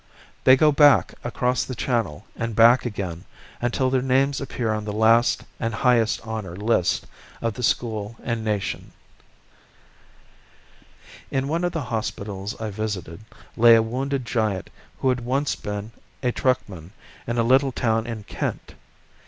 They go back across the channel and back again until their names appear on the last and highest honour list of the school and nation. In one of the hospitals I visited lay a wounded giant who had once been a truckman in a little town in Kent.